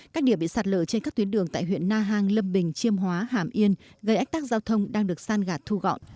các địa bị sạt lở trên các tuyến đường tại huyện na hàng lâm bình chiêm hóa hàm yên gây ách tắc giao thông đang được san gạt thu gọn